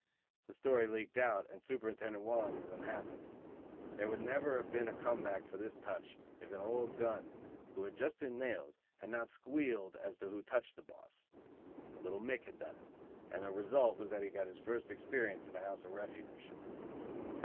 The story leaked out, and Superintendent Walling was unhappy. There would never have been a come back for this "touch" if an old gun, who had just been nailed, had not "squealed" as to who touched the boss. "Little Mick" had done it, and the result was that he got his first experience in the House of Refuge.